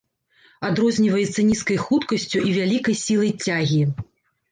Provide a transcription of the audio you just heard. Адрозніваецца нізкай хуткасцю і вялікай сілай цягі.